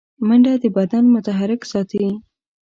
منډه بدن متحرک ساتي